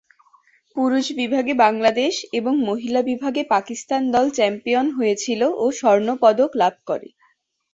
পুরুষ বিভাগে বাংলাদেশ এবং মহিলা বিভাগে পাকিস্তান দল চ্যাম্পিয়ন হয়েছিল ও স্বর্ণপদক লাভ করে।